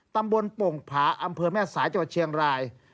ตำบลโป่งผาอำเภอแม่สายจังหวัดเชียงราย